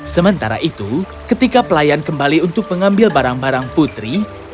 sementara itu ketika pelayan kembali untuk mengambil barang barang putri